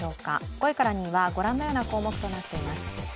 ５位から２位にはご覧のような項目となっています。